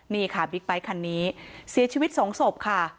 นี่ค่ะบิ๊กไบท์คันนี้เสียชีวิตสองศพค่ะ